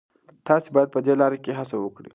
تاسي باید په دې لاره کي هڅه وکړئ.